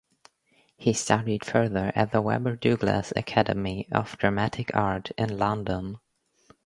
He studied further at the Webber Douglas Academy of Dramatic Art in London.